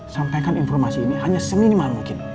sampaikan informasi ini hanya seminimal mungkin